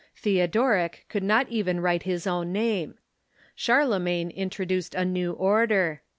Theodoric could not even write his own name. Charlemagne introduced a new order.